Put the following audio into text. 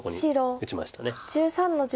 打ちました。